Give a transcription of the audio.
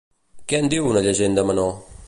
Què en diu una llegenda menor?